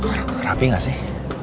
aduh rapi gak sih